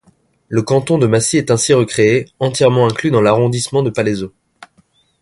Le canton de Massy est ainsi recréé, entièrement inclus dans l'arrondissement de Palaiseau.